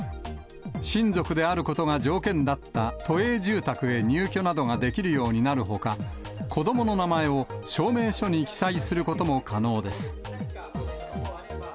親族であることが条件だった都営住宅へ入居などができるようになるほか、子どもの名前を証明書に記載することも可能です。